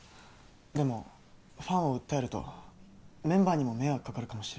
でもファンを訴えるとメンバーにも迷惑かかるかもしれないし。